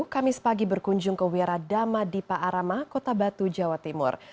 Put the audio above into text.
kamis pagi berkunjung ke wira dharma dipa arama kota batu jawa timur